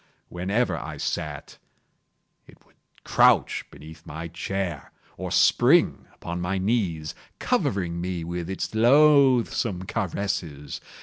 Whenever I sat, it would crouch beneath my chair, or spring upon my knees, covering me with its loathsome caresses.